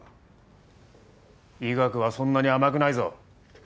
医学はそんなに甘くないぞ。